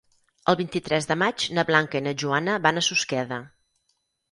El vint-i-tres de maig na Blanca i na Joana van a Susqueda.